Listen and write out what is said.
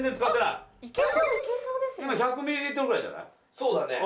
そうだね。